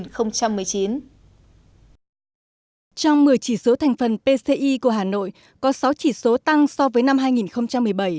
trong một mươi chỉ số thành phần pci của hà nội có sáu chỉ số tăng so với năm hai nghìn một mươi bảy